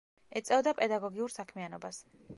ეწეოდა პედაგოგიურ საქმიანობას.